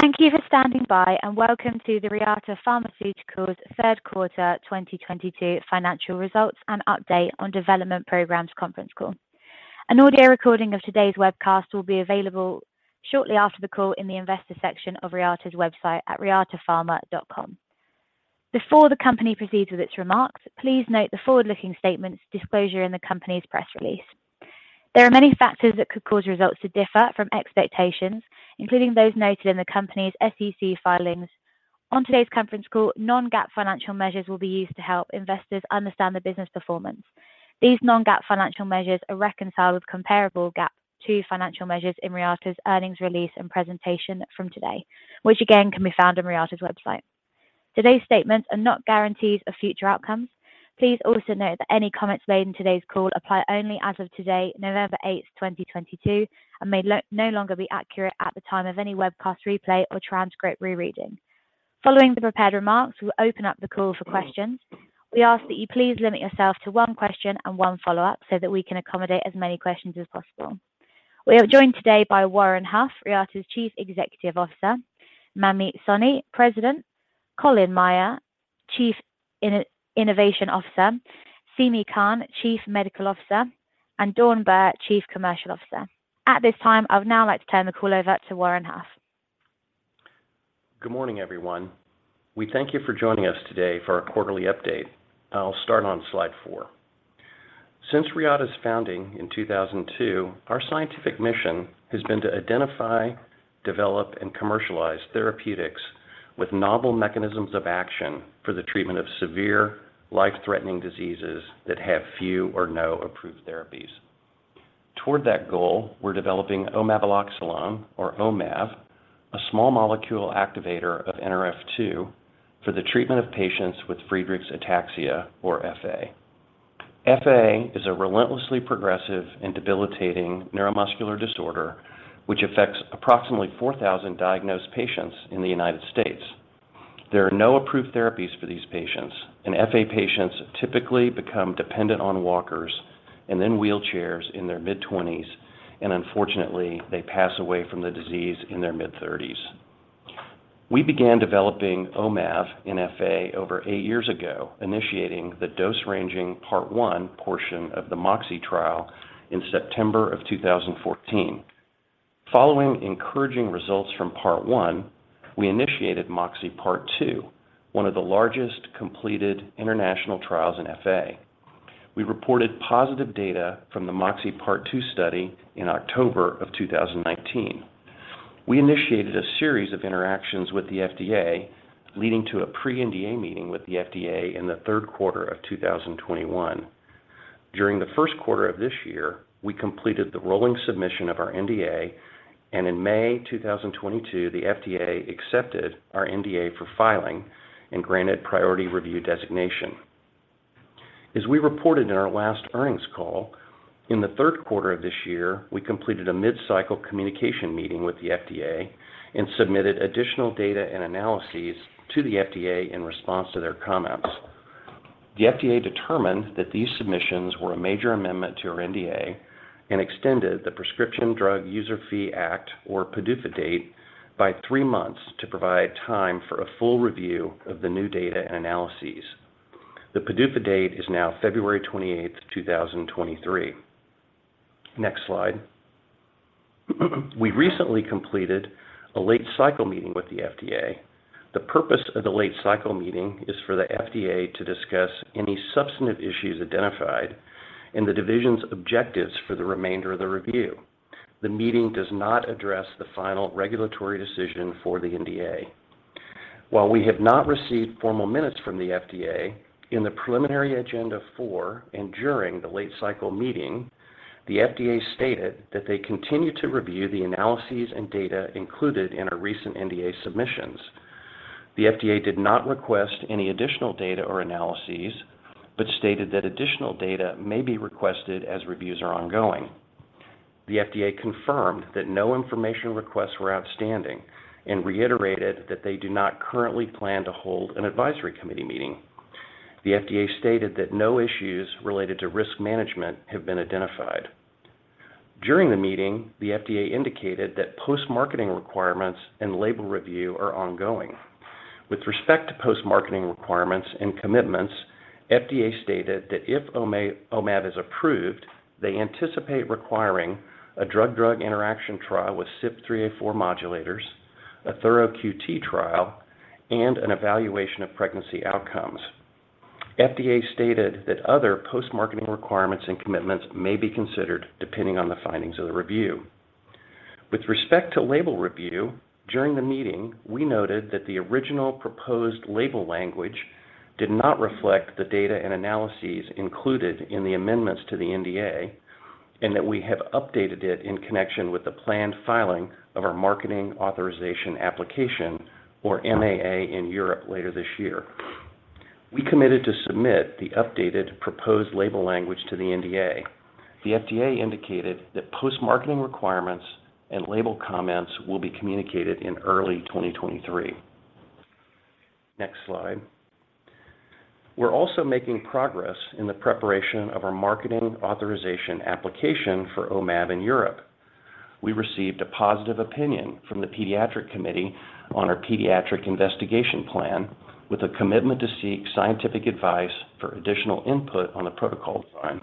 Thank you for standing by, and welcome to the Reata Pharmaceuticals third quarter 2022 financial results and update on development programs conference call. An audio recording of today's webcast will be available shortly after the call in the investor section of Reata's website at reatapharma.com. Before the company proceeds with its remarks, please note the forward-looking statements disclosure in the company's press release. There are many factors that could cause results to differ from expectations, including those noted in the company's SEC filings. On today's conference call, non-GAAP financial measures will be used to help investors understand the business performance. These non-GAAP financial measures are reconciled with comparable GAAP financial measures in Reata's earnings release and presentation from today, which again can be found on Reata's website. Today's statements are not guarantees of future outcomes. Please also note that any comments made in today's call apply only as of today, November 8, 2022, and may no longer be accurate at the time of any webcast replay or transcript rereading. Following the prepared remarks, we'll open up the call for questions. We ask that you please limit yourself to one question and one follow-up so that we can accommodate as many questions as possible. We are joined today by Warren Huff, Reata's Chief Executive Officer; Manmeet Soni, President; Colin Meyer, Chief Innovation Officer; Seemi Khan, Chief Medical Officer; and Dawn Bir, Chief Commercial Officer. At this time, I would now like to turn the call over to Warren Huff. Good morning, everyone. We thank you for joining us today for our quarterly update. I'll start on slide four. Since Reata's founding in 2002, our scientific mission has been to identify, develop, and commercialize therapeutics with novel mechanisms of action for the treatment of severe life-threatening diseases that have few or no approved therapies. Toward that goal, we're developing omaveloxolone, or OMAV, a small molecule activator of Nrf2 for the treatment of patients with Friedreich's ataxia or FA. FA is a relentlessly progressive and debilitating neuromuscular disorder, which affects approximately 4,000 diagnosed patients in the United States. There are no approved therapies for these patients, and FA patients typically become dependent on walkers and then wheelchairs in their mid-20s, and unfortunately, they pass away from the disease in their mid-30s. We began developing OMAV in FA over eight years ago, initiating the dose ranging part one portion of the MOXIe trial in September 2014. Following encouraging results from part one, we initiated MOXIe part two, one of the largest completed international trials in FA. We reported positive data from the MOXIe part two study in October 2019. We initiated a series of interactions with the FDA, leading to a pre-NDA meeting with the FDA in the third quarter of 2021. During the first quarter of this year, we completed the rolling submission of our NDA, and in May 2022, the FDA accepted our NDA for filing and granted priority review designation. As we reported in our last earnings call, in the third quarter of this year, we completed a mid-cycle communication meeting with the FDA and submitted additional data and analyses to the FDA in response to their comments. The FDA determined that these submissions were a major amendment to our NDA and extended the Prescription Drug User Fee Act, or PDUFA, date by three months to provide time for a full review of the new data and analyses. The PDUFA date is now February twenty-eighth, two thousand twenty-three. Next slide. We recently completed a late-cycle meeting with the FDA. The purpose of the late-cycle meeting is for the FDA to discuss any substantive issues identified and the division's objectives for the remainder of the review. The meeting does not address the final regulatory decision for the NDA. While we have not received formal minutes from the FDA, in the preliminary agenda for and during the late-cycle meeting, the FDA stated that they continue to review the analyses and data included in our recent NDA submissions. The FDA did not request any additional data or analyses, but stated that additional data may be requested as reviews are ongoing. The FDA confirmed that no information requests were outstanding and reiterated that they do not currently plan to hold an advisory committee meeting. The FDA stated that no issues related to risk management have been identified. During the meeting, the FDA indicated that post-marketing requirements and label review are ongoing. With respect to post-marketing requirements and commitments, FDA stated that if OMAV is approved, they anticipate requiring a drug-drug interaction trial with CYP3A4 modulators, a thorough QT trial, and an evaluation of pregnancy outcomes. FDA stated that other post-marketing requirements and commitments may be considered depending on the findings of the review. With respect to label review, during the meeting, we noted that the original proposed label language did not reflect the data and analyses included in the amendments to the NDA, and that we have updated it in connection with the planned filing of our marketing authorization application or MAA in Europe later this year. We committed to submit the updated proposed label language to the NDA. The FDA indicated that post-marketing requirements and label comments will be communicated in early 2023. Next slide. We're also making progress in the preparation of our marketing authorization application for OMAV in Europe. We received a positive opinion from the pediatric committee on our pediatric investigation plan with a commitment to seek scientific advice for additional input on the protocol design.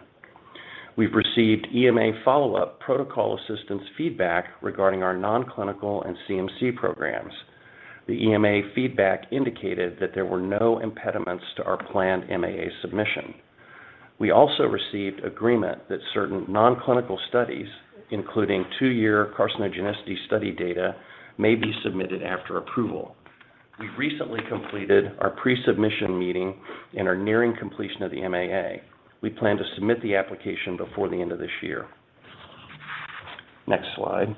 We've received EMA follow-up protocol assistance feedback regarding our non-clinical and CMC programs. The EMA feedback indicated that there were no impediments to our planned MAA submission. We also received agreement that certain non-clinical studies, including 2-year carcinogenicity study data, may be submitted after approval. We recently completed our pre-submission meeting and are nearing completion of the MAA. We plan to submit the application before the end of this year. Next slide.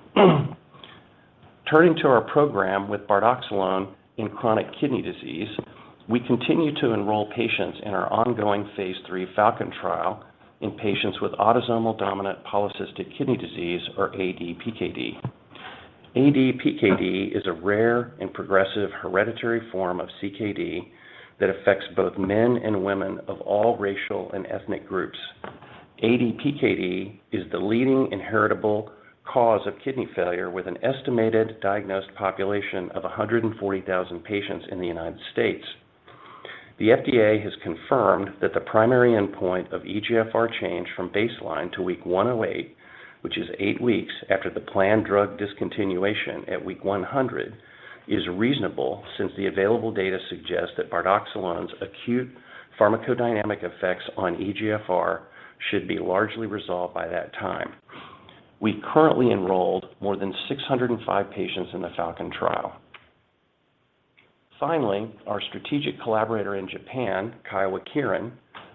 Turning to our program with bardoxolone in chronic kidney disease, we continue to enroll patients in our ongoing phase 3 FALCON trial in patients with autosomal dominant polycystic kidney disease or ADPKD. ADPKD is a rare and progressive hereditary form of CKD that affects both men and women of all racial and ethnic groups. ADPKD is the leading inheritable cause of kidney failure with an estimated diagnosed population of 140,000 patients in the United States. The FDA has confirmed that the primary endpoint of eGFR change from baseline to week 108, which is 8 weeks after the planned drug discontinuation at week 100, is reasonable since the available data suggests that bardoxolone's acute pharmacodynamic effects on eGFR should be largely resolved by that time. We currently enrolled more than 605 patients in the FALCON trial. Finally, our strategic collaborator in Japan, Kyowa Kirin,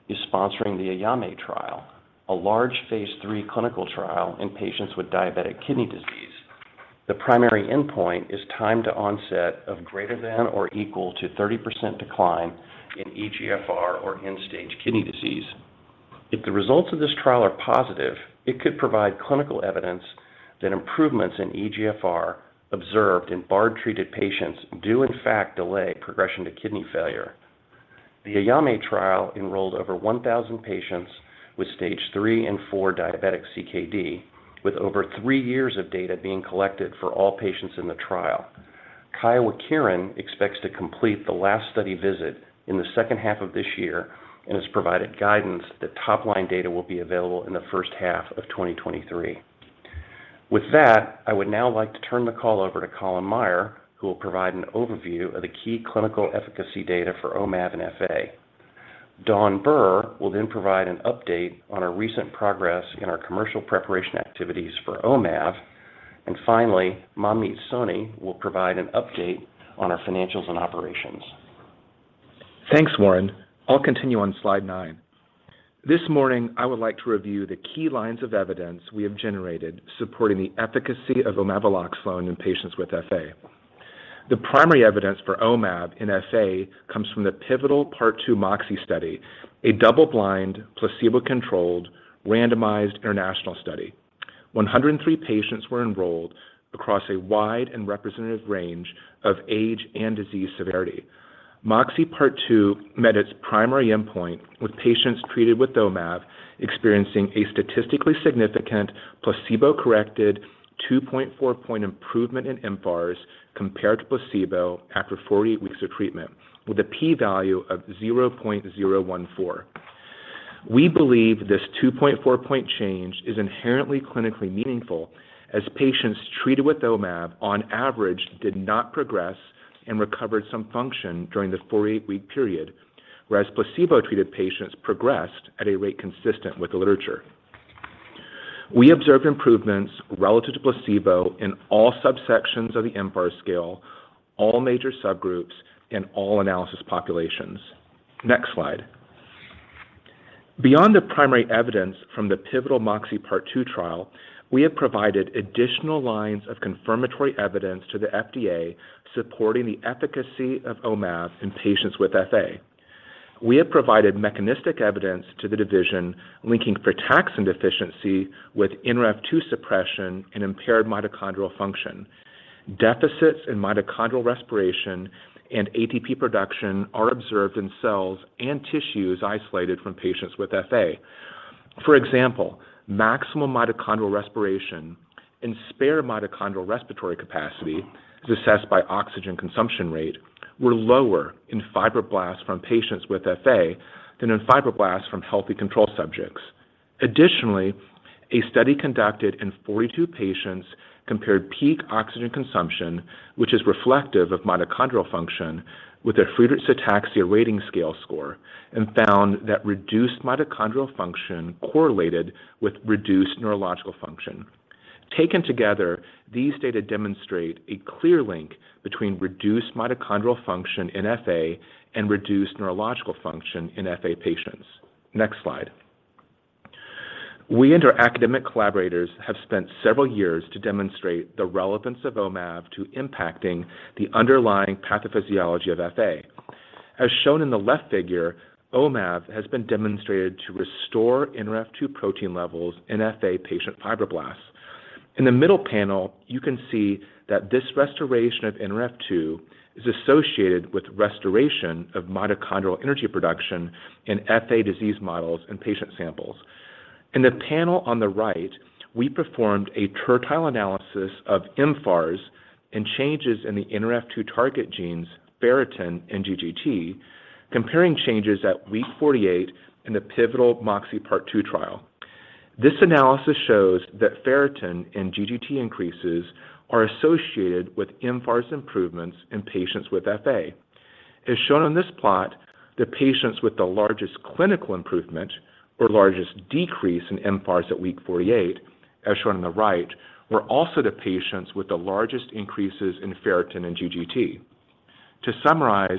is sponsoring the AYAME trial, a large phase 3 clinical trial in patients with diabetic kidney disease. The primary endpoint is time to onset of greater than or equal to 30% decline in eGFR or end-stage kidney disease. If the results of this trial are positive, it could provide clinical evidence that improvements in eGFR observed in bardoxolone-treated patients do in fact delay progression to kidney failure. The AYAME trial enrolled over 1,000 patients with Stage 3 and 4 diabetic CKD, with over 3 years of data being collected for all patients in the trial. Kyowa Kirin expects to complete the last study visit in the second half of this year and has provided guidance that top-line data will be available in the first half of 2023. With that, I would now like to turn the call over to Colin Meyer, who will provide an overview of the key clinical efficacy data for omav in FA. Dawn Bir will then provide an update on our recent progress in our commercial preparation activities for omav. Finally, Manmeet Soni will provide an update on our financials and operations. Thanks, Warren. I'll continue on slide 9. This morning, I would like to review the key lines of evidence we have generated supporting the efficacy of omaveloxolone in patients with FA. The primary evidence for omav in FA comes from the pivotal Part 2 MOXIe study, a double-blind, placebo-controlled, randomized international study. 103 patients were enrolled across a wide and representative range of age and disease severity. MOXIe Part 2 met its primary endpoint, with patients treated with omav experiencing a statistically significant placebo-corrected 2.4-point improvement in mFARS compared to placebo after 48 weeks of treatment, with a p-value of 0.014. We believe this 2.4-point change is inherently clinically meaningful, as patients treated with omav on average did not progress and recovered some function during the 48-week period, whereas placebo-treated patients progressed at a rate consistent with the literature. We observed improvements relative to placebo in all subsections of the mFARS scale, all major subgroups, and all analysis populations. Next slide. Beyond the primary evidence from the pivotal MOXI Part Two trial, we have provided additional lines of confirmatory evidence to the FDA supporting the efficacy of OMAV in patients with FA. We have provided mechanistic evidence to the division linking frataxin deficiency with Nrf2 suppression and impaired mitochondrial function. Deficits in mitochondrial respiration and ATP production are observed in cells and tissues isolated from patients with FA. For example, maximum mitochondrial respiration and spare mitochondrial respiratory capacity, as assessed by oxygen consumption rate, were lower in fibroblasts from patients with FA than in fibroblasts from healthy control subjects. Additionally, a study conducted in 42 patients compared peak oxygen consumption, which is reflective of mitochondrial function, with a Friedreich's ataxia rating scale score and found that reduced mitochondrial function correlated with reduced neurological function. Taken together, these data demonstrate a clear link between reduced mitochondrial function in FA and reduced neurological function in FA patients. Next slide. We and our academic collaborators have spent several years to demonstrate the relevance of omav to impacting the underlying pathophysiology of FA. As shown in the left figure, omav has been demonstrated to restore Nrf2 protein levels in FA patient fibroblasts. In the middle panel, you can see that this restoration of Nrf2 is associated with restoration of mitochondrial energy production in FA disease models and patient samples. In the panel on the right, we performed a tertile analysis of mFARS and changes in the Nrf2 target genes ferritin and GGT, comparing changes at week 48 in the pivotal MOXI Part Two trial. This analysis shows that ferritin and GGT increases are associated with mFARS improvements in patients with FA. As shown on this plot, the patients with the largest clinical improvement or largest decrease in mFARS at week 48, as shown on the right, were also the patients with the largest increases in ferritin and GGT. To summarize,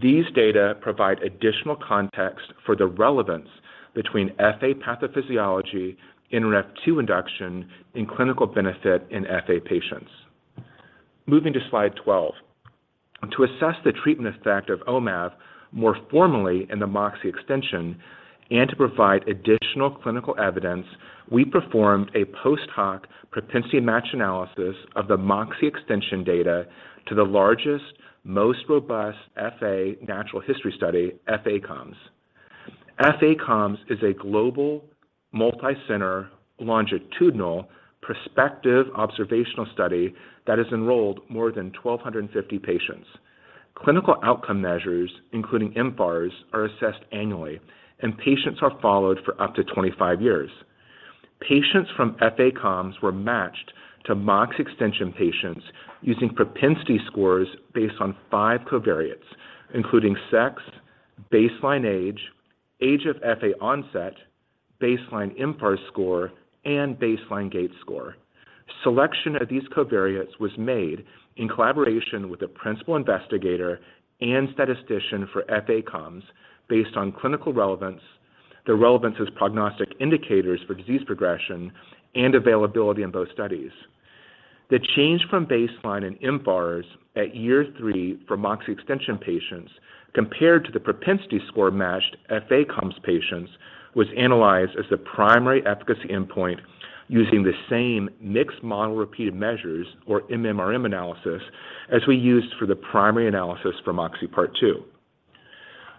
these data provide additional context for the relevance between FA pathophysiology, Nrf2 induction in clinical benefit in FA patients. Moving to slide 12. To assess the treatment effect of OMAV more formally in the MOXIe extension and to provide additional clinical evidence, we performed a post hoc propensity match analysis of the MOXIe extension data to the largest, most robust FA natural history study, FA-COMS. FA-COMS is a global multicenter longitudinal prospective observational study that has enrolled more than 1,250 patients. Clinical outcome measures, including mFARS, are assessed annually, and patients are followed for up to 25 years. Patients from FA-COMS were matched to MOXIe extension patients using propensity scores based on five covariates, including sex, baseline age of FA onset, baseline mFARS score, and baseline GAIT score. Selection of these covariates was made in collaboration with the principal investigator and statistician for FA-COMS based on clinical relevance, the relevance as prognostic indicators for disease progression, and availability in both studies. The change from baseline in mFARS at year 3 for MOXIe extension patients compared to the propensity score matched FA-COMS patients was analyzed as the primary efficacy endpoint using the same mixed model repeated measures or MMRM analysis as we used for the primary analysis for MOXIe Part 2.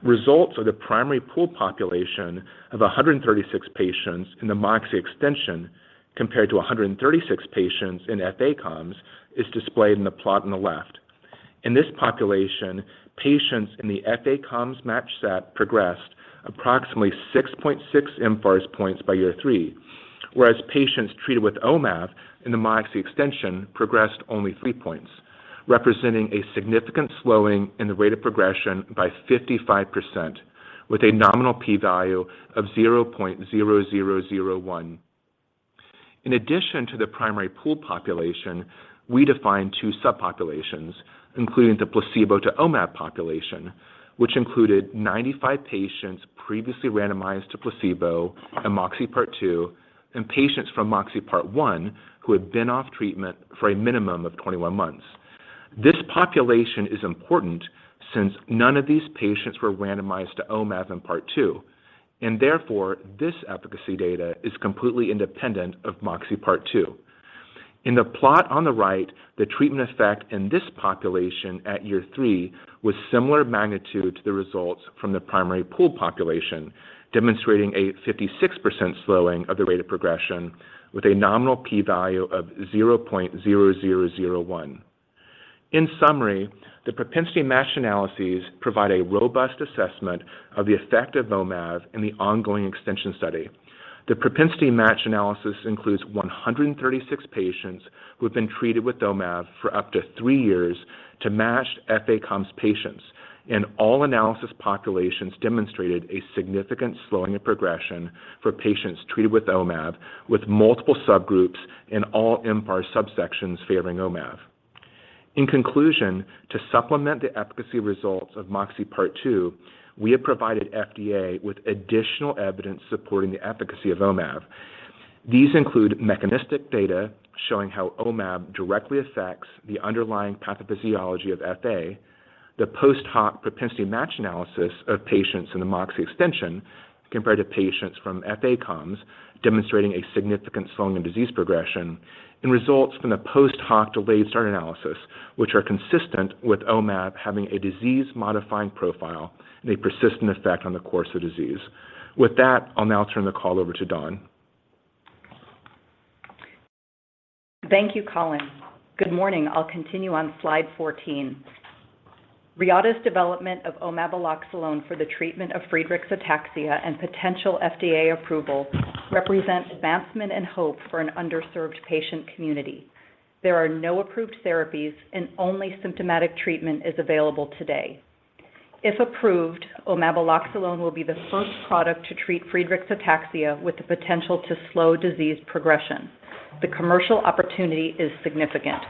Results of the primary pooled population of 136 patients in the MOXIe extension compared to 136 patients in FA-COMS is displayed in the plot on the left. In this population, patients in the FA-COMS match set progressed approximately 6.6 mFARS points by year 3, whereas patients treated with OMAV in the MOXIe extension progressed only three points, representing a significant slowing in the rate of progression by 55% with a nominal p-value of 0.0001. In addition to the primary pooled population, we defined two subpopulations, including the placebo-to-OMAV population, which included 95 patients previously randomized to placebo in MOXIe Part Two and patients from MOXIe Part One who had been off treatment for a minimum of 21 months. This population is important since none of these patients were randomized to OMAV in Part Two, and therefore this efficacy data is completely independent of MOXIe Part Two. In the plot on the right, the treatment effect in this population at year 3 was similar magnitude to the results from the primary pooled population, demonstrating a 56% slowing of the rate of progression with a nominal P-value of 0.0001. In summary, the propensity-matched analyses provide a robust assessment of the effect of OMAV in the ongoing extension study. The propensity match analysis includes 136 patients who have been treated with OMAV for up to three years to match FA-COMS patients, and all analysis populations demonstrated a significant slowing of progression for patients treated with OMAV, with multiple subgroups in all mFARS subsections favoring OMAV. In conclusion, to supplement the efficacy results of MOXIe Part 2, we have provided FDA with additional evidence supporting the efficacy of OMAV. These include mechanistic data showing how OMAV directly affects the underlying pathophysiology of FA, the post hoc propensity match analysis of patients in the MOXIe extension compared to patients from FA-COMS demonstrating a significant slowing in disease progression, and results from the post hoc delayed start analysis, which are consistent with OMAV having a disease-modifying profile and a persistent effect on the course of disease. With that, I'll now turn the call over to Dawn. Thank you, Colin. Good morning. I'll continue on slide 14. Reata's development of omaveloxolone for the treatment of Friedreich's ataxia and potential FDA approval represents advancement and hope for an underserved patient community. There are no approved therapies, and only symptomatic treatment is available today. If approved, omaveloxolone will be the first product to treat Friedreich's ataxia with the potential to slow disease progression. The commercial opportunity is significant.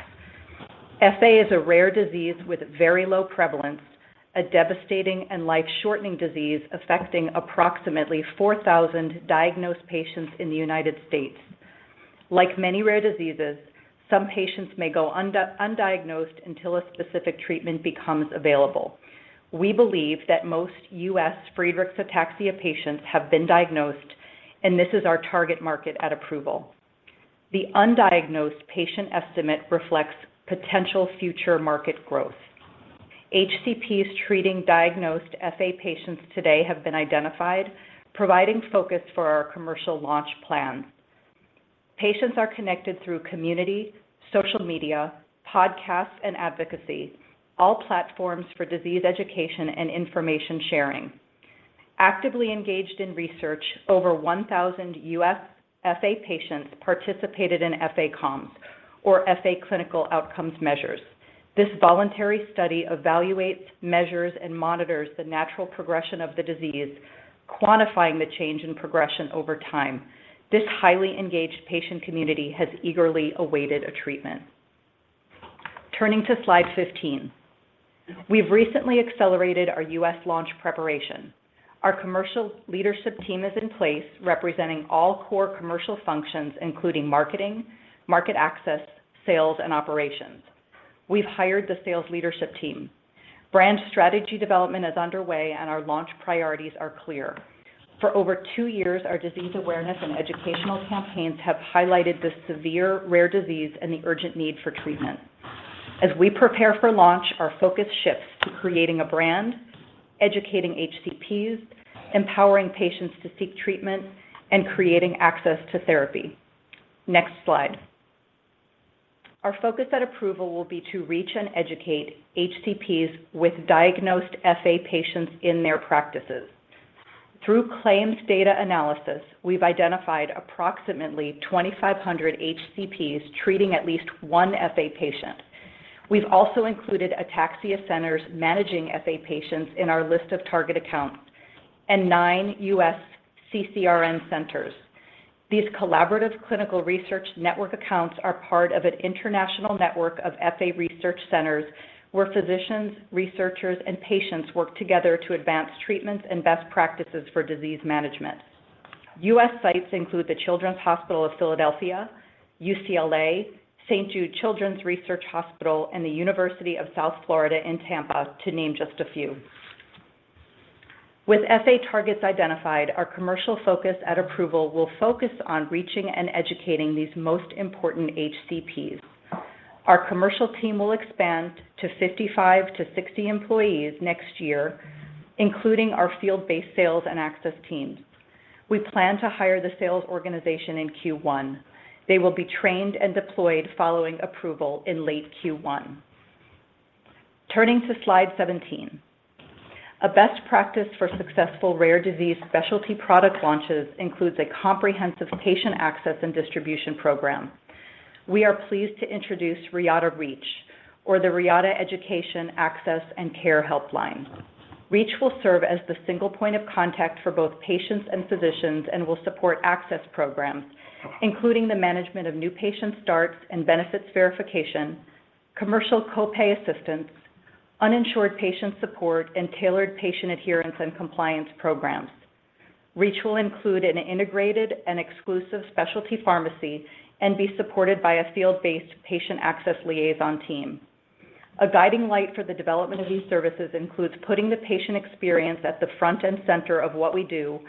FA is a rare disease with very low prevalence, a devastating and life-shortening disease affecting approximately 4,000 diagnosed patients in the United States. Like many rare diseases, some patients may go undiagnosed until a specific treatment becomes available. We believe that most US Friedreich's ataxia patients have been diagnosed, and this is our target market at approval. The undiagnosed patient estimate reflects potential future market growth. HCPs treating diagnosed FA patients today have been identified, providing focus for our commercial launch plans. Patients are connected through community, social media, podcasts, and advocacy, all platforms for disease education and information sharing. Actively engaged in research, over 1,000 US FA patients participated in FA-COMS or FA Clinical Outcome Measures. This voluntary study evaluates, measures, and monitors the natural progression of the disease, quantifying the change in progression over time. This highly engaged patient community has eagerly awaited a treatment. Turning to slide 15. We've recently accelerated our US launch preparation. Our commercial leadership team is in place representing all core commercial functions, including marketing, market access, sales, and operations. We've hired the sales leadership team. Brand strategy development is underway, and our launch priorities are clear. For over two years, our disease awareness and educational campaigns have highlighted the severe rare disease and the urgent need for treatment. As we prepare for launch, our focus shifts to creating a brand, educating HCPs, empowering patients to seek treatment, and creating access to therapy. Next slide. Our focus at approval will be to reach and educate HCPs with diagnosed FA patients in their practices. Through claims data analysis, we've identified approximately 2,500 HCPs treating at least one FA patient. We've also included ataxia centers managing FA patients in our list of target accounts and nine US CCRN centers. These collaborative clinical research network accounts are part of an international network of FA research centers, where physicians, researchers, and patients work together to advance treatments and best practices for disease management. US sites include the Children's Hospital of Philadelphia, UCLA, St. Jude Children's Research Hospital, and the University of South Florida in Tampa, to name just a few. With FA targets identified, our commercial focus at approval will focus on reaching and educating these most important HCPs. Our commercial team will expand to 55-60 employees next year, including our field-based sales and access teams. We plan to hire the sales organization in Q1. They will be trained and deployed following approval in late Q1. Turning to slide 17. A best practice for successful rare disease specialty product launches includes a comprehensive patient access and distribution program. We are pleased to introduce Reata REACH or the Reata Education, Access, and Care Helpline. REACH will serve as the single point of contact for both patients and physicians and will support access programs, including the management of new patient starts and benefits verification, commercial co-pay assistance, uninsured patient support, and tailored patient adherence and compliance programs. Reata REACH will include an integrated and exclusive specialty pharmacy and be supported by a field-based patient access liaison team. A guiding light for the development of these services includes putting the patient experience at the front and center of what we do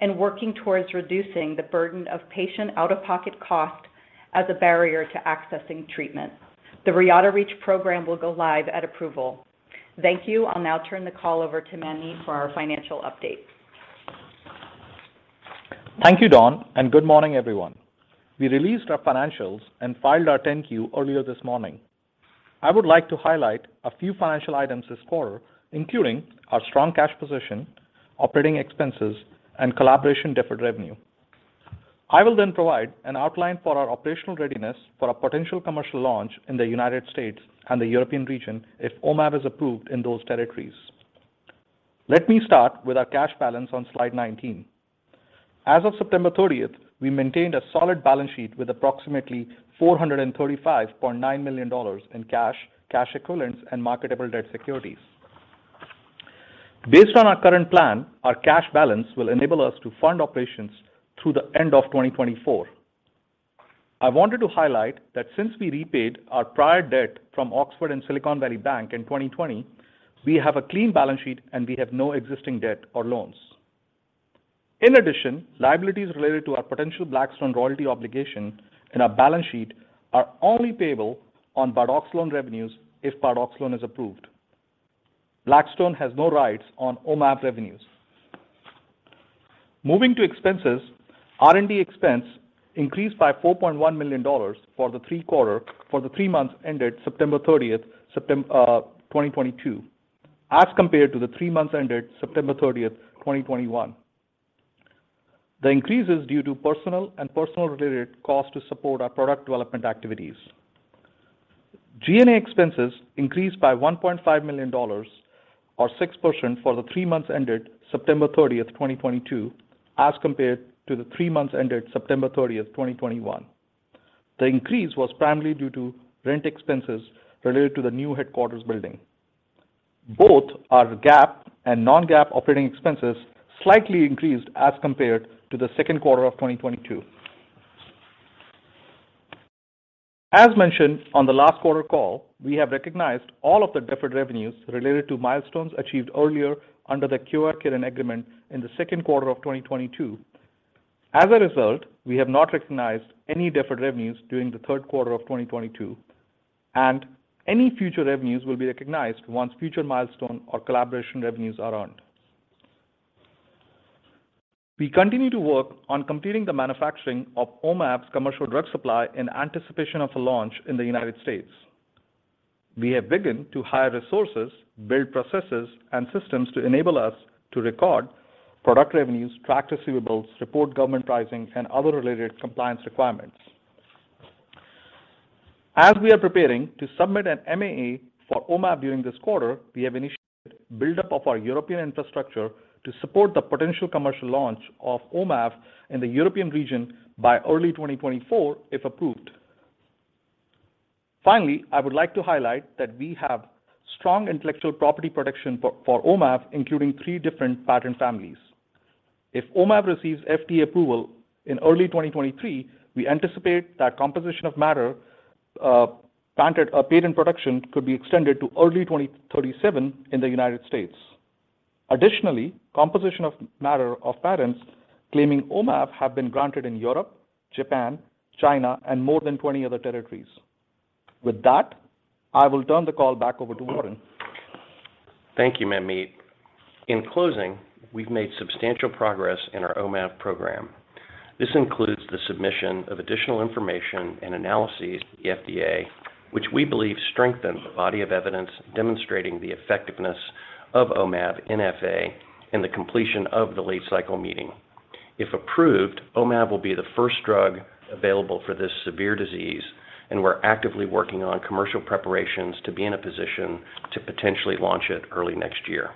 and working towards reducing the burden of patient out-of-pocket cost as a barrier to accessing treatment. The Reata REACH program will go live at approval. Thank you. I'll now turn the call over to Mani for our financial update. Thank you, Dawn, and good morning, everyone. We released our financials and filed our 10-Q earlier this morning. I would like to highlight a few financial items this quarter, including our strong cash position, operating expenses, and collaboration deferred revenue. I will then provide an outline for our operational readiness for a potential commercial launch in the United States and the European region if OMAV is approved in those territories. Let me start with our cash balance on slide 19. As of September 30, we maintained a solid balance sheet with approximately $435.9 million in cash equivalents, and marketable debt securities. Based on our current plan, our cash balance will enable us to fund operations through the end of 2024. I wanted to highlight that since we repaid our prior debt from Oxford Finance and Silicon Valley Bank in 2020, we have a clean balance sheet, and we have no existing debt or loans. In addition, liabilities related to our potential Blackstone royalty obligation in our balance sheet are only payable on bardoxolone revenues if bardoxolone is approved. Blackstone has no rights on OMAV revenues. Moving to expenses, R&D expense increased by $4.1 million for the three months ended September 30, 2022, as compared to the three months ended September 30, 2021. The increase is due to personnel and personnel-related costs to support our product development activities. G&A expenses increased by $1.5 million or 6% for the three months ended September 30, 2022, as compared to the three months ended September 30, 2021. The increase was primarily due to rent expenses related to the new headquarters building. Both our GAAP and non-GAAP operating expenses slightly increased as compared to the second quarter of 2022. As mentioned on the last quarter call, we have recognized all of the deferred revenues related to milestones achieved earlier under the Kyowa Kirin agreement in the second quarter of 2022. As a result, we have not recognized any deferred revenues during the third quarter of 2022, and any future revenues will be recognized once future milestone or collaboration revenues are earned. We continue to work on completing the manufacturing of OMAV's commercial drug supply in anticipation of a launch in the United States. We have begun to hire resources, build processes and systems to enable us to record product revenues, track receivables, report government pricing, and other related compliance requirements. As we are preparing to submit an MAA for OMAV during this quarter, we have initiated buildup of our European infrastructure to support the potential commercial launch of OMAV in the European region by early 2024, if approved. Finally, I would like to highlight that we have strong intellectual property protection for OMAV, including three different patent families. If OMAV receives FDA approval in early 2023, we anticipate that composition of matter or patent protection could be extended to early 2037 in the United States. Additionally, composition of matter of patents claiming OMAV have been granted in Europe, Japan, China, and more than 20 other territories. With that, I will turn the call back over to Warren. Thank you, Manmeet. In closing, we've made substantial progress in our OMAV program. This includes the submission of additional information and analyses to the FDA, which we believe strengthen the body of evidence demonstrating the effectiveness of OMAV in FA and the completion of the late-cycle meeting. If approved, OMAV will be the first drug available for this severe disease, and we're actively working on commercial preparations to be in a position to potentially launch it early next year.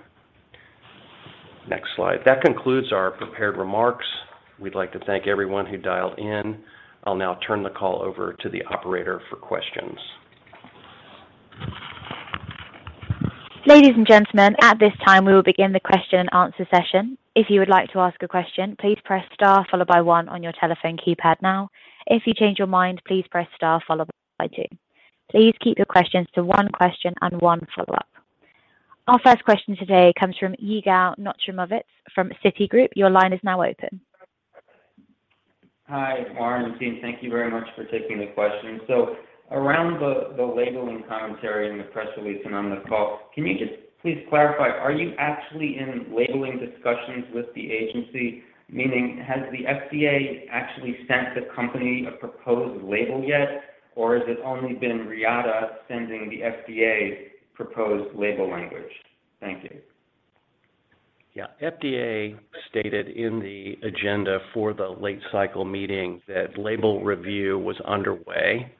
Next slide. That concludes our prepared remarks. We'd like to thank everyone who dialed in. I'll now turn the call over to the operator for questions. Ladies and gentlemen, at this time, we will begin the question and answer session. If you would like to ask a question, please press star followed by one on your telephone keypad now. If you change your mind, please press star followed by two. Please keep your questions to one question and one follow-up. Our first question today comes from Yigal Nochomovitz from Citigroup. Your line is now open. Hi, Warren and team. Thank you very much for taking the question. Around the labeling commentary in the press release and on the call, can you just please clarify, are you actually in labeling discussions with the agency? Meaning, has the FDA actually sent the company a proposed label yet? Or has it only been Reata sending the FDA proposed label language? Thank you. Yeah. FDA stated in the agenda for the late-cycle meeting that label review was underway.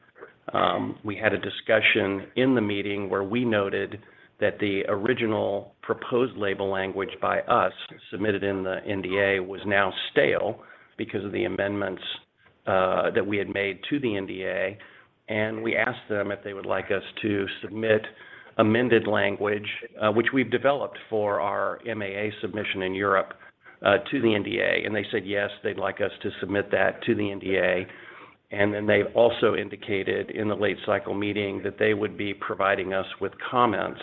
We had a discussion in the meeting where we noted that the original proposed label language by us, submitted in the NDA, was now stale because of the amendments that we had made to the NDA. We asked them if they would like us to submit amended language, which we've developed for our MAA submission in Europe, to the NDA. They said, yes, they'd like us to submit that to the NDA. They also indicated in the late-cycle meeting that they would be providing us with comments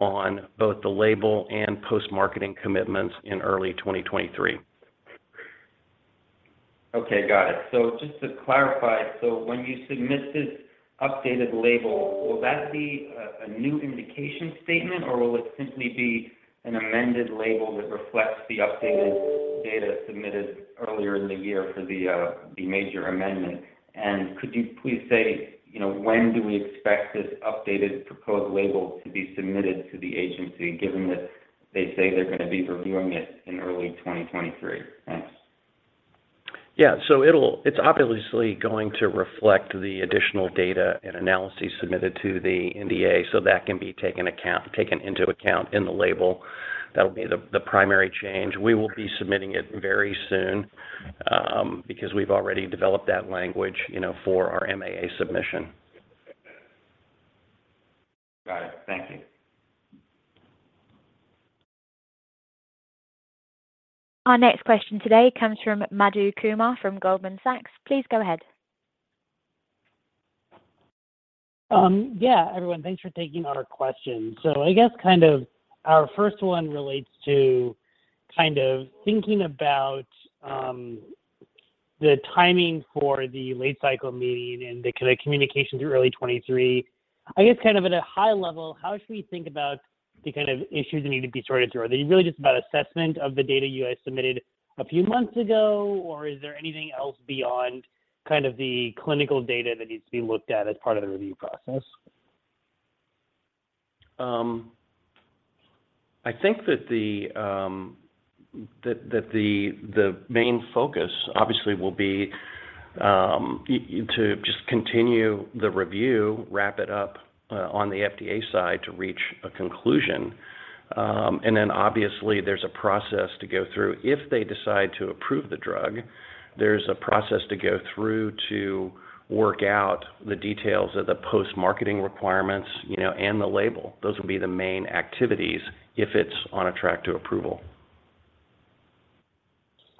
on both the label and post-marketing commitments in early 2023. Okay. Got it. Just to clarify. When you submit this updated label, will that be a new indication statement, or will it simply be an amended label that reflects the updated data submitted earlier in the year for the major amendment? And could you please say, you know, when do we expect this updated proposed label to be submitted to the agency given that they say they're gonna be reviewing it in early 2023? Thanks. Yeah. It's obviously going to reflect the additional data and analyses submitted to the NDA, so that can be taken into account in the label. That'll be the primary change. We will be submitting it very soon, because we've already developed that language, you know, for our MAA submission. Got it. Thank you. Our next question today comes from Madhu Kumar from Goldman Sachs. Please go ahead. Yeah, everyone, thanks for taking our question. I guess kind of our first one relates to kind of thinking about the timing for the late-cycle meeting and the kinda communication through early 2023. I guess kind of at a high level, how should we think about the kind of issues that need to be sorted through? Are they really just about assessment of the data you guys submitted a few months ago, or is there anything else beyond kind of the clinical data that needs to be looked at as part of the review process? I think that the main focus obviously will be to just continue the review, wrap it up on the FDA side to reach a conclusion. Obviously there's a process to go through. If they decide to approve the drug, there's a process to go through to work out the details of the post-marketing requirements, you know, and the label. Those will be the main activities if it's on track to approval.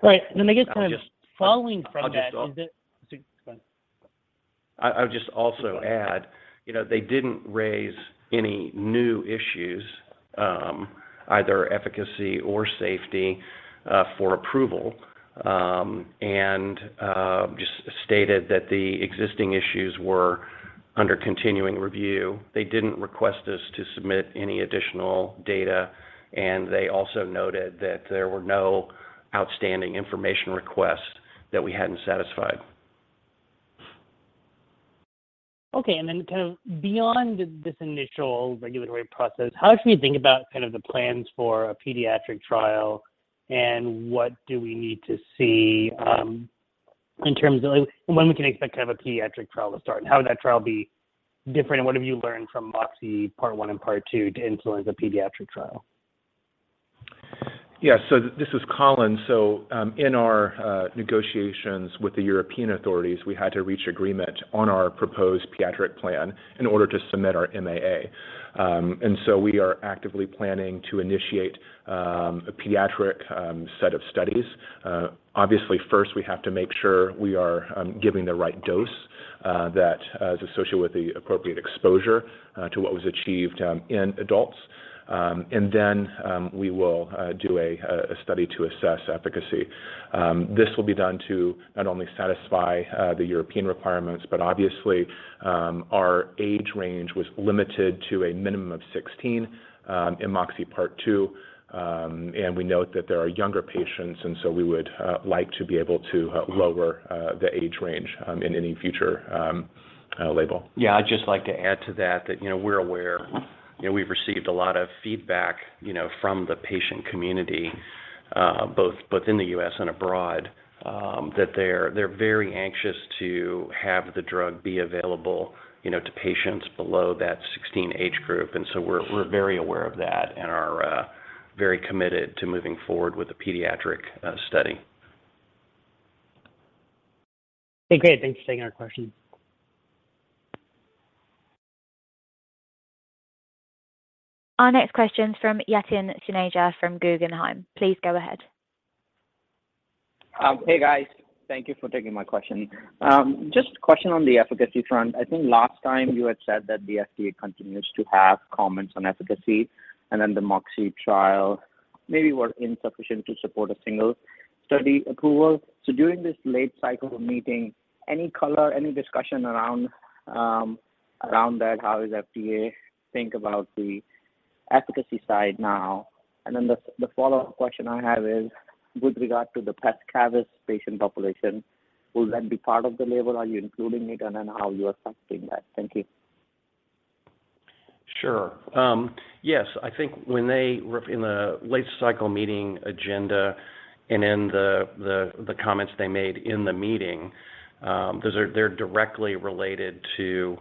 Right. I guess kind of following from that. I'll just. Go ahead. I would just also add, you know, they didn't raise any new issues, either efficacy or safety, for approval, and just stated that the existing issues were under continuing review. They didn't request us to submit any additional data, and they also noted that there were no outstanding information requests that we hadn't satisfied. Okay. Kind of beyond this initial regulatory process, how should we think about kind of the plans for a pediatric trial, and what do we need to see in terms of when we can expect to have a pediatric trial to start? How would that trial be different, and what have you learned from MOXIe Part One and Part Two to influence a pediatric trial? This is Colin. In our negotiations with the European authorities, we had to reach agreement on our proposed pediatric plan in order to submit our MAA. We are actively planning to initiate a pediatric set of studies. Obviously, first we have to make sure we are giving the right dose that is associated with the appropriate exposure to what was achieved in adults. We will do a study to assess efficacy. This will be done to not only satisfy the European requirements, but obviously, our age range was limited to a minimum of 16 in MOXIe Part Two. We note that there are younger patients. We would like to be able to lower the age range in any future label. Yeah, I'd just like to add to that, you know, we're aware. You know, we've received a lot of feedback, you know, from the patient community, both in the U.S. and abroad, that they're very anxious to have the drug be available, you know, to patients below that 16 age group. We're very aware of that and are very committed to moving forward with the pediatric study. Okay. Great. Thanks for taking our question. Our next question's from Yatin Suneja from Guggenheim. Please go ahead. Hey, guys. Thank you for taking my question. Just a question on the efficacy front. I think last time you had said that the FDA continues to have comments on efficacy, and then the MOXIe trial maybe was insufficient to support a single study approval. During this late-cycle meeting, any color, any discussion around that? How does FDA think about the efficacy side now? And then the follow-up question I have is, with regard to the pes cavus patient population, will that be part of the label? Are you including it, and then how you are assessing that? Thank you. Sure. Yes. I think in the late-cycle meeting agenda and in the comments they made in the meeting, those are directly related to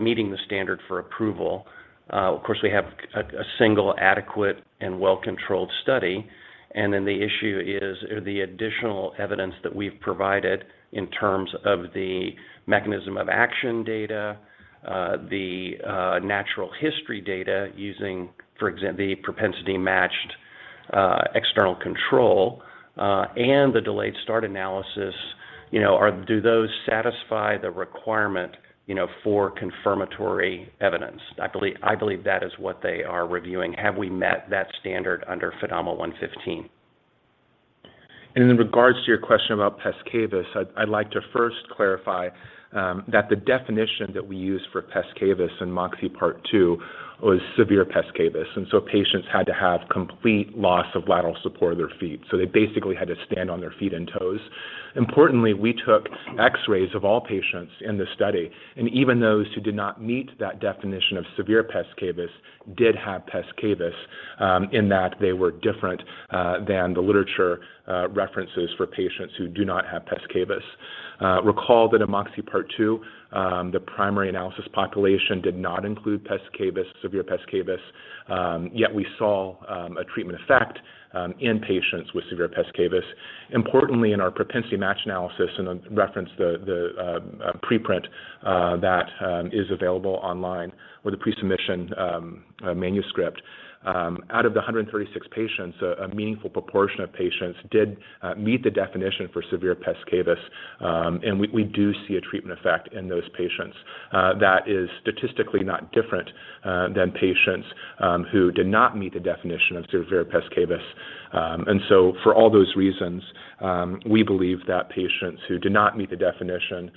meeting the standard for approval. Of course, we have a single adequate and well-controlled study, and then the issue is the additional evidence that we've provided in terms of the mechanism of action data, the natural history data using, for example, the propensity-matched external control, and the delayed start analysis. You know, do those satisfy the requirement, you know, for confirmatory evidence? I believe that is what they are reviewing. Have we met that standard under FDAMA 115? In regards to your question about pes cavus, I'd like to first clarify that the definition that we use for pes cavus in MOXIe Part Two was severe pes cavus, and so patients had to have complete loss of lateral support of their feet. So they basically had to stand on their feet and toes. Importantly, we took X-rays of all patients in the study, and even those who did not meet that definition of severe pes cavus did have pes cavus in that they were different than the literature references for patients who do not have pes cavus. Recall that in MOXIe Part Two, the primary analysis population did not include severe pes cavus, yet we saw a treatment effect in patients with severe pes cavus. Importantly, in our propensity match analysis, and I reference the preprint that is available online or the pre-submission manuscript, out of the 136 patients, a meaningful proportion of patients did meet the definition for severe pes cavus, and we do see a treatment effect in those patients that is statistically not different than patients who did not meet the definition of severe pes cavus. For all those reasons, we believe that patients who did not meet the definition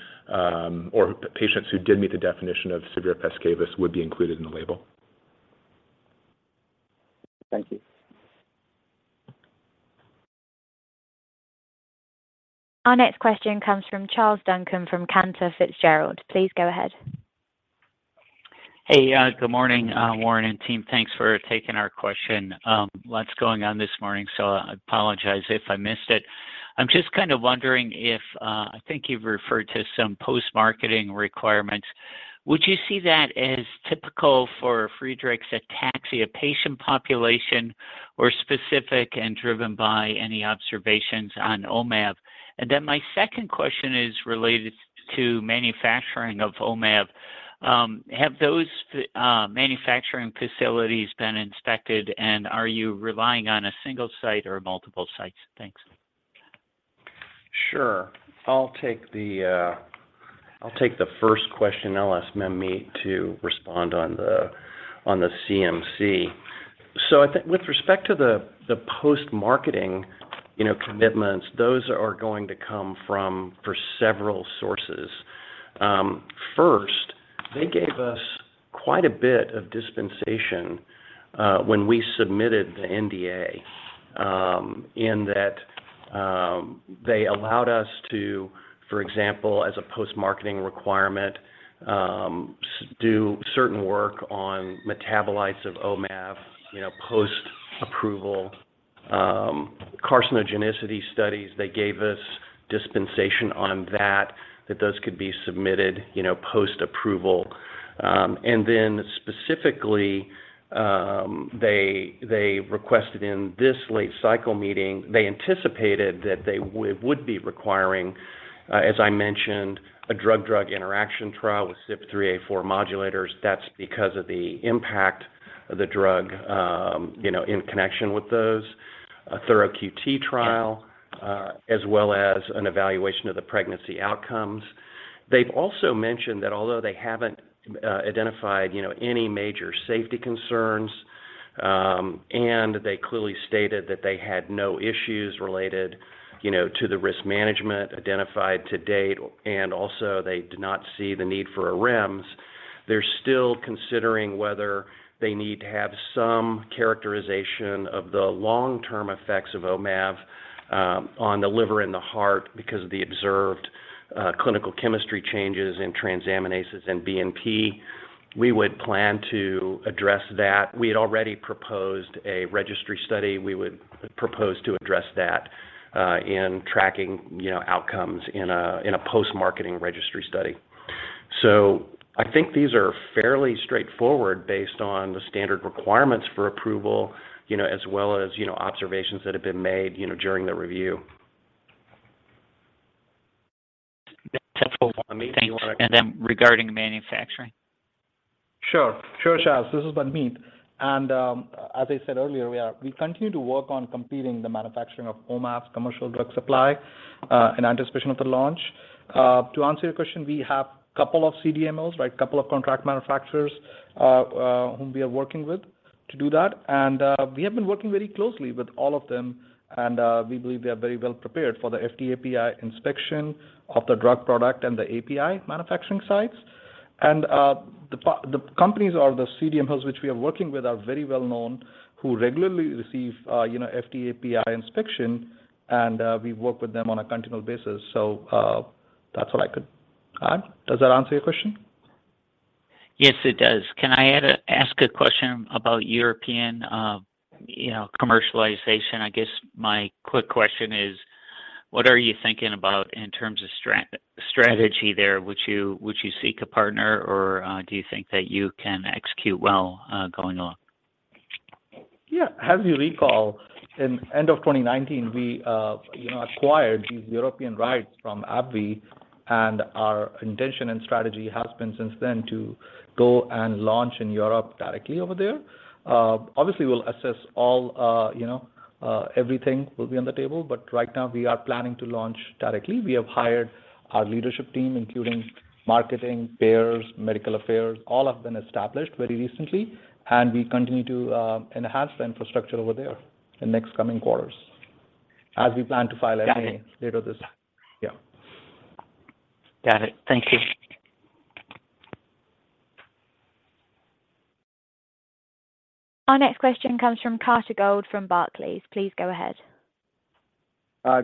or patients who did meet the definition of severe pes cavus would be included in the label. Thank you. Our next question comes from Charles Duncan from Cantor Fitzgerald. Please go ahead. Hey, good morning, Warren and team. Thanks for taking our question. Lots going on this morning, so I apologize if I missed it. I'm just kind of wondering if, I think you've referred to some post-marketing requirements. Would you see that as typical for Friedreich's ataxia patient population or specific and driven by any observations on OMAV? And then my second question is related to manufacturing of OMAV. Have those manufacturing facilities been inspected, and are you relying on a single site or multiple sites? Thanks. Sure. I'll take the first question. I'll ask Manmeet to respond on the CMC. I think with respect to the post-marketing, you know, commitments, those are going to come from for several sources. First, they gave us quite a bit of dispensation when we submitted the NDA, in that they allowed us to, for example, as a post-marketing requirement, do certain work on metabolites of OMAV, you know, post-approval. Carcinogenicity studies, they gave us dispensation on that those could be submitted, you know, post-approval. And then specifically, they requested in this late cycle meeting, they anticipated that they would be requiring, as I mentioned, a drug-drug interaction trial with CYP3A4 modulators. That's because of the impact of the drug, you know, in connection with those. A thorough QT trial, as well as an evaluation of the pregnancy outcomes. They've also mentioned that although they haven't identified, you know, any major safety concerns, and they clearly stated that they had no issues related, you know, to the risk management identified to date, and also they did not see the need for a REMS. They're still considering whether they need to have some characterization of the long-term effects of OMAV on the liver and the heart because of the observed clinical chemistry changes in transaminases and BNP. We would plan to address that. We had already proposed a registry study. We would propose to address that in tracking, you know, outcomes in a post-marketing registry study. I think these are fairly straightforward based on the standard requirements for approval, you know, as well as, you know, observations that have been made, you know, during the review. That's helpful. Manmeet, do you want to- Thanks. Regarding manufacturing. Sure, Charles. This is Manmeet. As I said earlier, we continue to work on completing the manufacturing of OMAV's commercial drug supply in anticipation of the launch. To answer your question, we have couple of CDMOs, right? Couple of contract manufacturers whom we are working with to do that. We have been working very closely with all of them and we believe we are very well prepared for the FDA API inspection of the drug product and the API manufacturing sites. The companies or the CDMOs which we are working with are very well known who regularly receive you know FDA API inspection and we work with them on a continual basis. That's what I could add. Does that answer your question? Yes, it does. Can I ask a question about European commercialization? I guess my quick question is: What are you thinking about in terms of strategy there? Would you seek a partner or do you think that you can execute well going on? Yeah. As you recall, at the end of 2019, we, you know, acquired these European rights from AbbVie, and our intention and strategy has been since then to go and launch in Europe directly over there. Obviously, we'll assess all, you know. Everything will be on the table, but right now we are planning to launch directly. We have hired our leadership team, including marketing, payers, medical affairs, all have been established very recently, and we continue to enhance the infrastructure over there in next coming quarters as we plan to file our MA later this- Got it. Yeah. Got it. Thank you. Our next question comes from Carter Gould from Barclays. Please go ahead.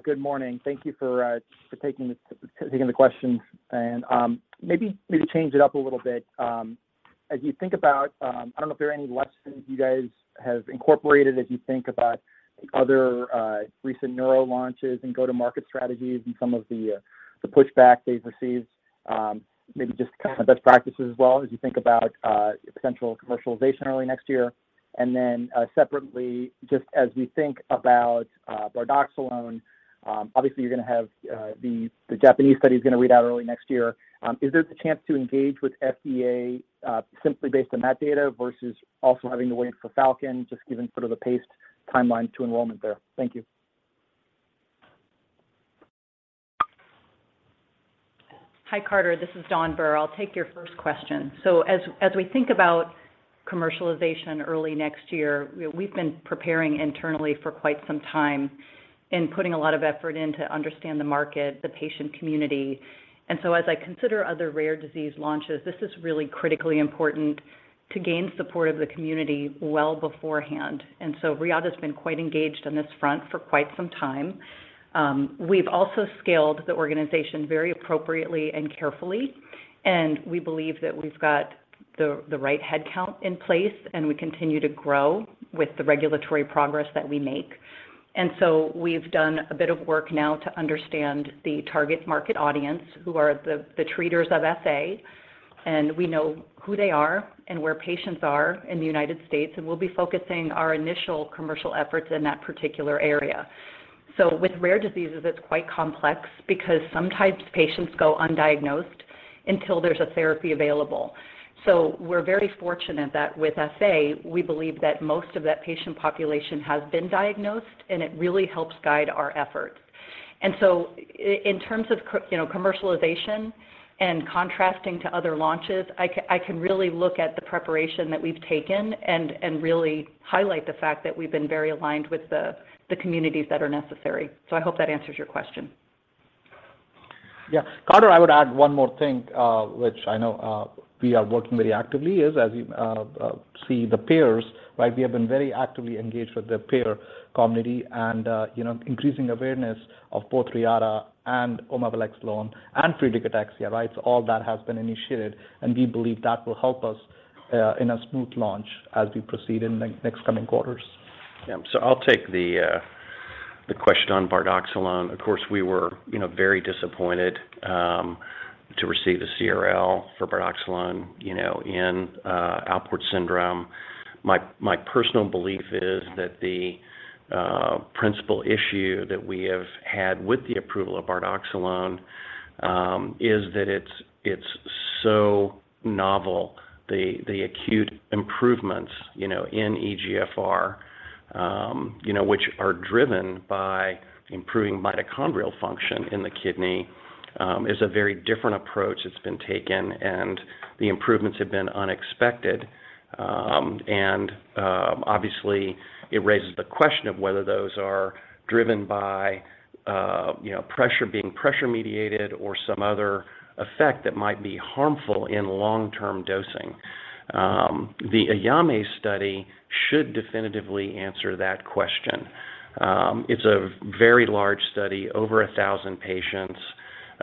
Good morning. Thank you for taking the questions. Maybe change it up a little bit. As you think about, I don't know if there are any lessons you guys have incorporated as you think about other recent neuro launches and go-to-market strategies and some of the pushback they've received, maybe just kind of best practices as well as you think about potential commercialization early next year. Then, separately, just as we think about bardoxolone, obviously the Japanese study is gonna read out early next year. Is there the chance to engage with FDA simply based on that data versus also having to wait for FALCON, just given sort of the paced timeline to enrollment there? Thank you. Hi, Carter. This is Dawn Bir. I'll take your first question. As we think about commercialization early next year, we've been preparing internally for quite some time and putting a lot of effort in to understand the market, the patient community. As I consider other rare disease launches, this is really critically important to gain support of the community well beforehand. Reata's been quite engaged on this front for quite some time. We've also scaled the organization very appropriately and carefully, and we believe that we've got The right head count in place, and we continue to grow with the regulatory progress that we make. We've done a bit of work now to understand the target market audience, who are the treaters of FA, and we know who they are and where patients are in the United States, and we'll be focusing our initial commercial efforts in that particular area. With rare diseases, it's quite complex because sometimes patients go undiagnosed until there's a therapy available. We're very fortunate that with FA, we believe that most of that patient population has been diagnosed, and it really helps guide our efforts. In terms of you know, commercialization and contrasting to other launches, I can really look at the preparation that we've taken and really highlight the fact that we've been very aligned with the communities that are necessary. I hope that answers your question. Yeah. Carter, I would add one more thing, which I know we are working very actively is as you see the payers, right? We have been very actively engaged with the payer community and, you know, increasing awareness of both Reata and omaveloxolone and Friedreich's ataxia, right? All that has been initiated, and we believe that will help us in a smooth launch as we proceed in next coming quarters. Yeah. I'll take the question on bardoxolone. Of course, we were, you know, very disappointed to receive a CRL for bardoxolone, you know, in Alport syndrome. My personal belief is that the principal issue that we have had with the approval of bardoxolone is that it's so novel. The acute improvements, you know, in eGFR, you know, which are driven by improving mitochondrial function in the kidney, is a very different approach that's been taken, and the improvements have been unexpected. Obviously it raises the question of whether those are driven by pressure being pressure-mediated or some other effect that might be harmful in long-term dosing. The AYAME study should definitively answer that question. It's a very large study, over 1,000 patients.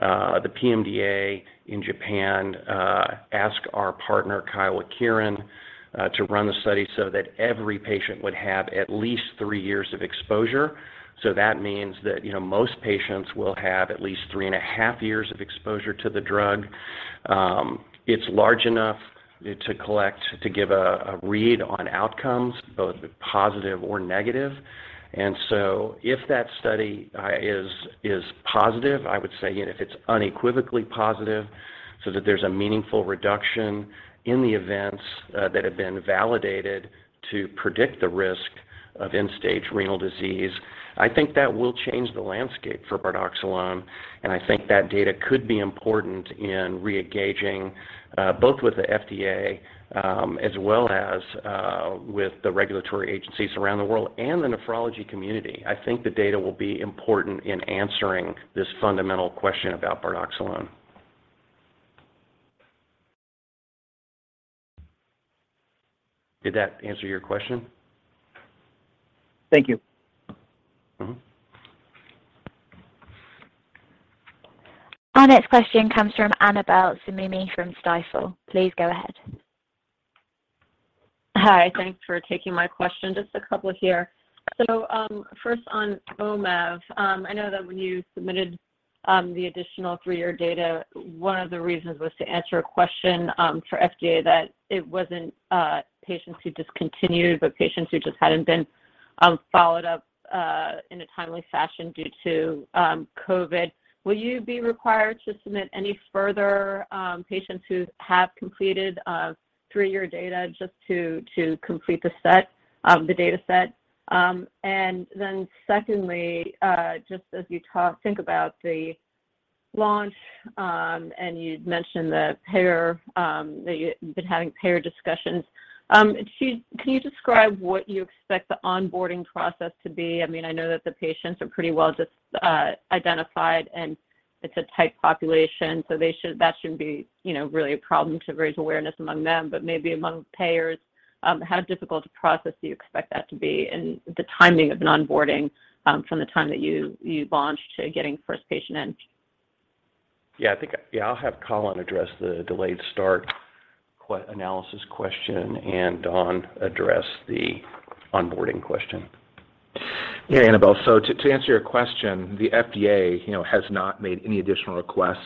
The PMDA in Japan asked our partner Kyowa Kirin to run the study so that every patient would have at least three years of exposure. That means that, you know, most patients will have at least three and a half years of exposure to the drug. It's large enough to collect, to give a read on outcomes, both positive or negative. If that study is positive, I would say, you know, if it's unequivocally positive so that there's a meaningful reduction in the events that have been validated to predict the risk of end-stage renal disease, I think that will change the landscape for bardoxolone, and I think that data could be important in re-engaging both with the FDA as well as with the regulatory agencies around the world and the nephrology community. I think the data will be important in answering this fundamental question about bardoxolone. Did that answer your question? Thank you. Mm-hmm. Our next question comes from Annabel Samimy from Stifel. Please go ahead. Hi. Thanks for taking my question. Just a couple here. First on OMAV. I know that when you submitted the additional 3-year data, one of the reasons was to answer a question for FDA that it wasn't patients who discontinued, but patients who just hadn't been followed up in a timely fashion due to COVID. Will you be required to submit any further patients who have completed 3-year data just to complete the set, the data set? Secondly, just as you think about the launch, and you'd mentioned the payers that you've been having payer discussions. Could you describe what you expect the onboarding process to be? I mean, I know that the patients are pretty well just identified, and it's a tight population, so they shouldn't that shouldn't be, you know, really a problem to raise awareness among them. But maybe among payers, how difficult a process do you expect that to be and the timing of an onboarding, from the time that you launch to getting first patient in? Yeah. I think, yeah, I'll have Colin address the delayed start Q analysis question and Dawn address the onboarding question. Yeah, Annabel Samimy. To answer your question, the FDA, you know, has not made any additional requests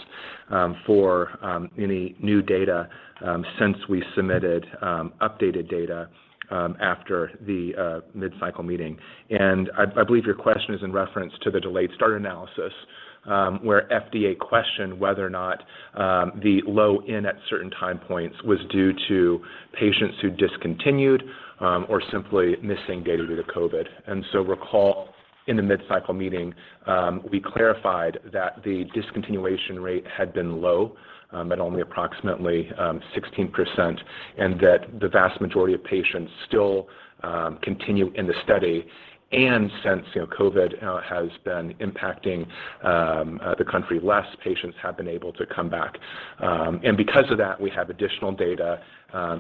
for any new data since we submitted updated data after the mid-cycle meeting. I believe your question is in reference to the delayed start analysis, where FDA questioned whether or not the low end at certain time points was due to patients who discontinued or simply missing data due to COVID. Recall in the mid-cycle meeting, we clarified that the discontinuation rate had been low at only approximately 16%, and that the vast majority of patients still continue in the study. Since, you know, COVID has been impacting the country less, patients have been able to come back. Because of that, we have additional data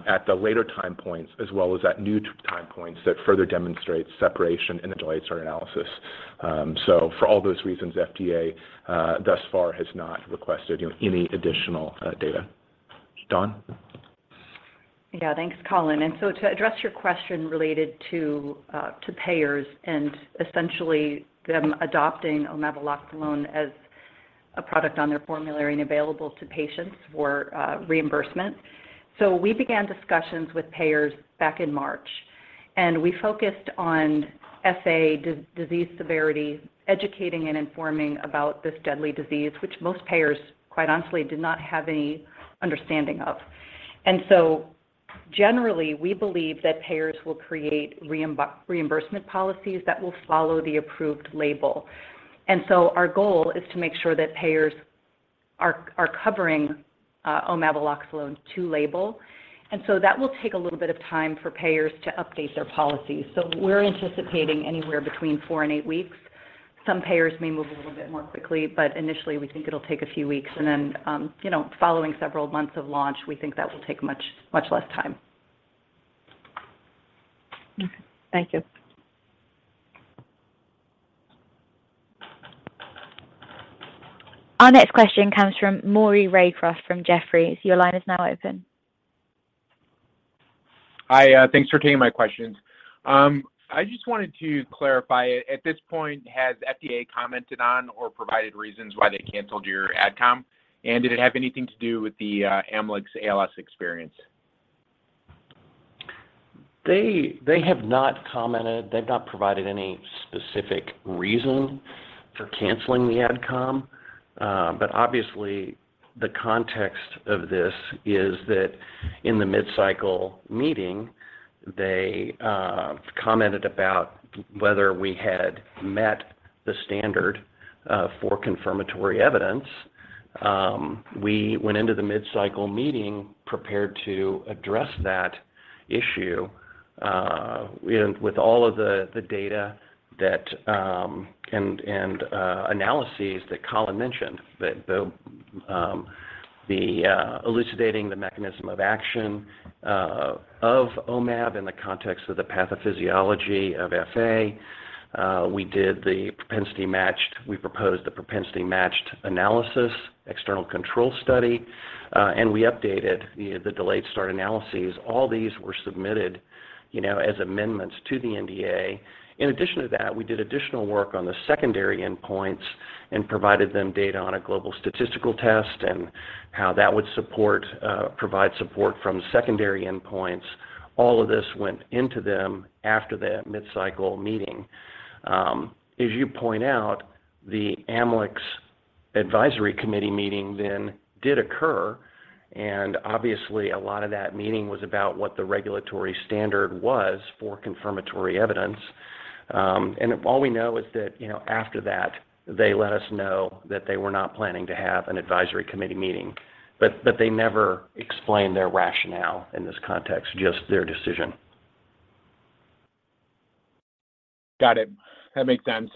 at the later time points as well as at new time points that further demonstrate separation in the delayed start analysis. For all those reasons, FDA thus far has not requested, you know, any additional data. Dawn? Yeah, thanks, Colin. To address your question related to payers and essentially them adopting omaveloxolone as a product on their formulary and available to patients for reimbursement. We began discussions with payers back in March, and we focused on FA disease severity, educating and informing about this deadly disease, which most payers, quite honestly, did not have any understanding of. Generally, we believe that payers will create reimbursement policies that will follow the approved label. Our goal is to make sure that payers are covering omaveloxolone to label. That will take a little bit of time for payers to update their policies. We're anticipating anywhere between 4 and 8 weeks. Some payers may move a little bit more quickly, but initially, we think it'll take a few weeks. You know, following several months of launch, we think that will take much, much less time. Okay, thank you. Our next question comes from Maury Raycroft from Jefferies. Your line is now open. Hi, thanks for taking my questions. I just wanted to clarify. At this point, has FDA commented on or provided reasons why they canceled your ad com? Did it have anything to do with the Amylyx ALS experience? They have not commented. They've not provided any specific reason for canceling the adcom. Obviously, the context of this is that in the mid-cycle meeting, they commented about whether we had met the standard for confirmatory evidence. We went into the mid-cycle meeting prepared to address that issue, and with all of the data and analyses that Colin mentioned, elucidating the mechanism of action of OMAV in the context of the pathophysiology of FA. We proposed the propensity-matched analysis, external control study, and we updated the delayed start analyses. All these were submitted, you know, as amendments to the NDA. In addition to that, we did additional work on the secondary endpoints and provided them data on a global statistical test and how that would support, provide support from secondary endpoints. All of this went into them after that mid-cycle meeting. As you point out, the Amylyx advisory committee meeting then did occur, and obviously, a lot of that meeting was about what the regulatory standard was for confirmatory evidence. All we know is that, you know, after that, they let us know that they were not planning to have an advisory committee meeting, but they never explained their rationale in this context, just their decision. Got it. That makes sense.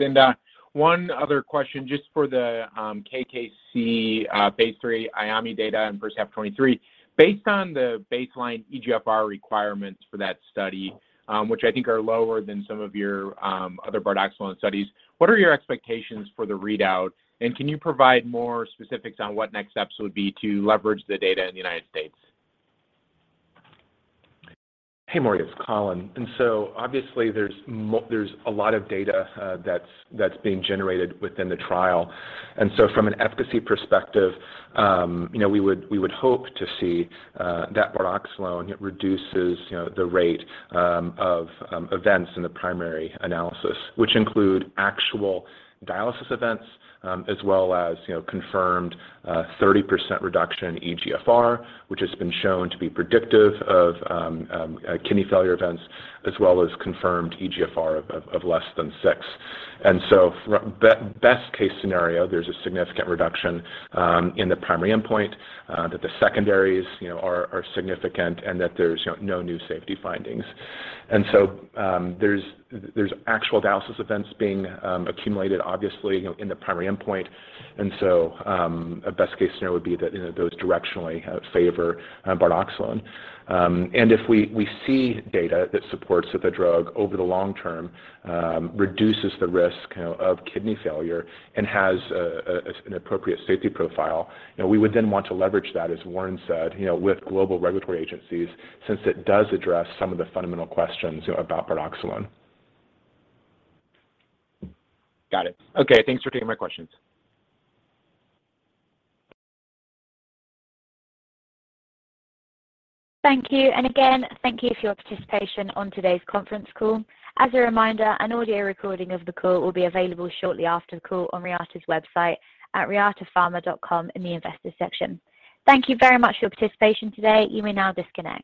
One other question just for the KKC phase 3 AYAME data and first half 2023. Based on the baseline eGFR requirements for that study, which I think are lower than some of your other bardoxolone studies, what are your expectations for the readout? Can you provide more specifics on what next steps would be to leverage the data in the United States? Hey, Maury, it's Colin. Obviously there's a lot of data that's being generated within the trial. From an efficacy perspective, you know, we would hope to see that bardoxolone reduces, you know, the rate of events in the primary analysis, which include actual dialysis events, as well as, you know, confirmed 30% reduction in eGFR, which has been shown to be predictive of kidney failure events, as well as confirmed eGFR of less than 6. Best case scenario, there's a significant reduction in the primary endpoint that the secondaries are significant, and that there's no new safety findings. There's actual dialysis events being accumulated, obviously, you know, in the primary endpoint. A best case scenario would be that, you know, those directionally favor bardoxolone. If we see data that supports that the drug over the long term reduces the risk, you know, of kidney failure and has an appropriate safety profile, you know, we would then want to leverage that, as Warren said, you know, with global regulatory agencies since it does address some of the fundamental questions, you know, about bardoxolone. Got it. Okay, thanks for taking my questions. Thank you. Again, thank you for your participation on today's conference call. As a reminder, an audio recording of the call will be available shortly after the call on Reata's website at reatapharma.com in the Investors section. Thank you very much for your participation today. You may now disconnect.